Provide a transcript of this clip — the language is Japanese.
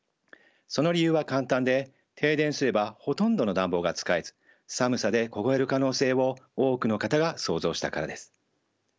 その理由は簡単で停電すればほとんどの暖房が使えず寒さで凍える可能性を多くの方が想像したからです。